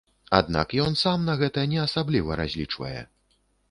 Аднак ён сам на гэта не асабліва разлічвае.